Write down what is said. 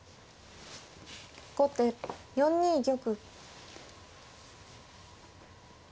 後手４二玉。